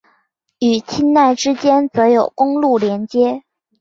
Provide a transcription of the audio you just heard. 与钦奈之间则有公路连接。